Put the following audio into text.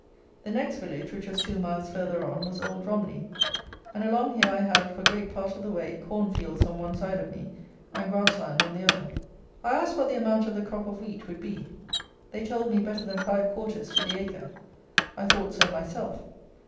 The next village, which was two miles further on, was Old Romney, and along here I had, for great part of the way, corn fields on one side of me and grass land on the other. I asked what the amount of the crop of wheat would be. They told me better than five quarters to the acre. I thought so myself.